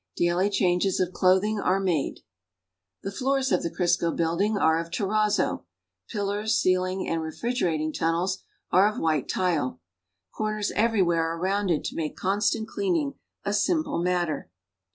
Daily changes of clothing arc made. The floors of the Crisco building are of terrazzo. Pillars, ceil ing and refrigerating timnels are of white tile. Corners e\'erywhere are rounded to make constant cleaning a simple matter.